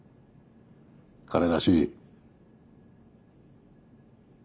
彼らしい。